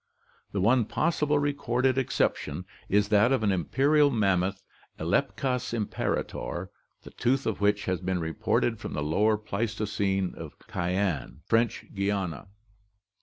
The one possible recorded exception is that of an imperial mammoth (Elepkas imperator), the tooth of which has been reported from the Lower Pleistocene of Cayenne, French Guiana.